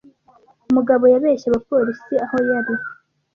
Mugabo yabeshye abapolisi aho yari